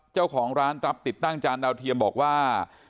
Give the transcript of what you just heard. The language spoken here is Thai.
เจ้าของร้านรับติดตั้งจานดาวเทียมบอกว่า